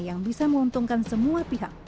yang bisa menguntungkan semua pihak